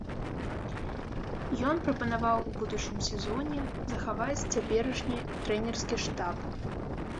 Ён прапанаваў у будучым сезоне захаваць цяперашні трэнерскі штаб.